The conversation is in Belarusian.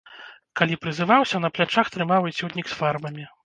Калі прызываўся, на плячах трымаў эцюднік з фарбамі.